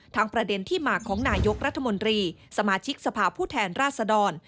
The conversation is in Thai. ประเด็นที่มาของนายกรัฐมนตรีสมาชิกสภาพผู้แทนราชดร